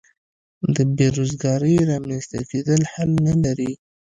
د بې روزګارۍ رامینځته کېدل حل نه لري.